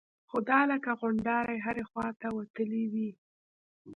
خو دا لکه غونډارې هرې خوا ته وتلي وي.